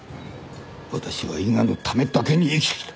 私は伊賀のためだけに生きてきた。